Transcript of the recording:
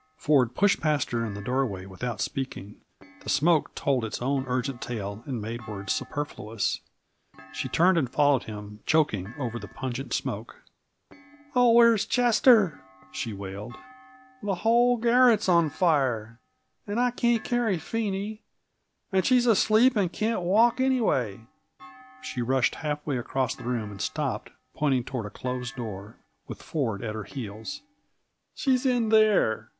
Ford pushed past her in the doorway without speaking; the smoke told its own urgent tale and made words superfluous. She turned and followed him, choking over the pungent smoke. "Oh, where's Chester?" she wailed. "The whole garret's on fire and I can't carry Phenie and she's asleep and can't walk anyway!" She rushed half across the room and stopped, pointing toward a closed door, with Ford at her heels. "She's in there!"